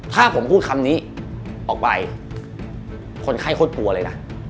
ถ้าผมพูดคำนี้ออกไปคนไข้โคตรกลัวเลยนะ